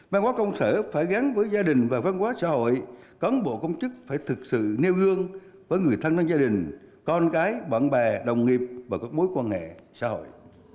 văn hóa công sở phải gắn với gia đình và văn hóa xã hội cán bộ công chức phải thực sự nêu gương với người thân gia đình con cái bạn bè đồng nghiệp và các mối quan hệ xã hội